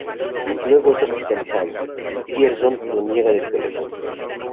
Luego es hospitalizado, y Pierson lo niega del pelotón.